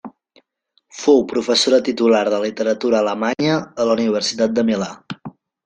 Fou professora titular de literatura alemanya a la Universitat de Milà.